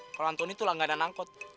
kalau antoni tuh lah gak ada angkot